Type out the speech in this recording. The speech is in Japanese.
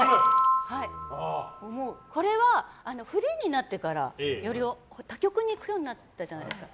これはフリーになってからより他局に行くようになったじゃないですか。